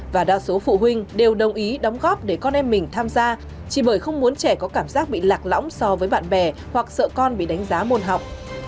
và đa số phụ huynh đều đồng ý đóng góp để con em mình tham gia chỉ bởi không muốn trẻ có cảm giác bị lạc lõng so với bạn bè hoặc sợ con bị đánh giá môn học